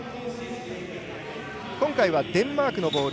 今回はデンマークのボール。